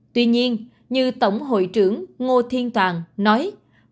tuy nhiên như tổng hội trưởng ngô thiên toàn nói